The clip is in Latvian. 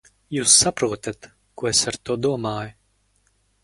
Jūs saprotat, ko es ar to domāju?